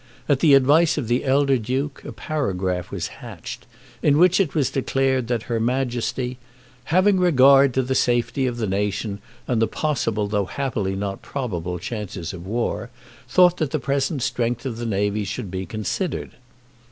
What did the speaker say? At the advice of the elder Duke, a paragraph was hatched, in which it was declared that her Majesty, "having regard to the safety of the nation and the possible, though happily not probable, chances of war, thought that the present strength of the navy should be considered."